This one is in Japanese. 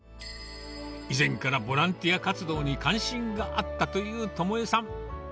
以前からボランティア活動に関心があったという知枝さん。